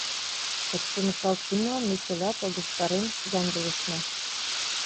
Пычкемышалт шумылан ме чыла погыстарен ямдылышна.